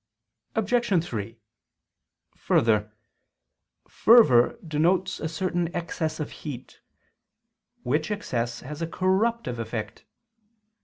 Obj. 3: Further, fervor denotes a certain excess of heat; which excess has a corruptive effect.